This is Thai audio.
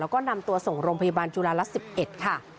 แล้วก็นำตัวส่งโรงพยาบาลจุฬาลักษณ์และอุตส่ง๑๑นะค่ะ